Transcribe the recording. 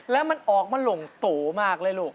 แล้วมันออกมาหลงโตมากเลยลูก